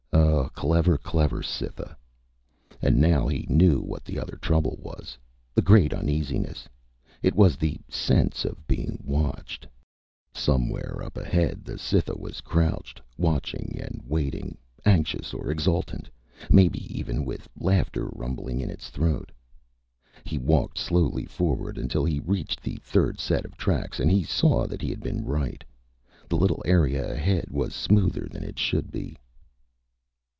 Oh, clever, clever Cytha! And now he knew what the other trouble was the great uneasiness. It was the sense of being watched. Somewhere up ahead, the Cytha was crouched, watching and waiting anxious or exultant, maybe even with laughter rumbling in its throat. He walked slowly forward until he reached the third set of tracks and he saw that he had been right. The little area ahead was smoother than it should be.